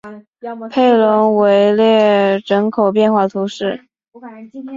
佩龙维勒人口变化图示